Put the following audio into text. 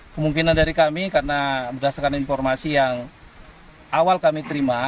kemungkinan dari kami karena berdasarkan informasi yang awal kami terima